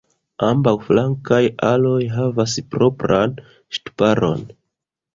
Ambaŭ flankaj aloj havas propran ŝtuparon.